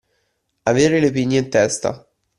Avere le pigne in testa.